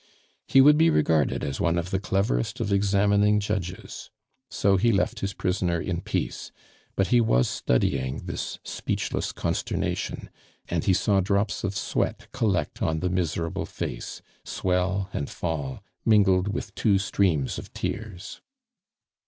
He would be regarded as one of the cleverest of examining judges. So he left his prisoner in peace; but he was studying this speechless consternation, and he saw drops of sweat collect on the miserable face, swell and fall, mingled with two streams of tears.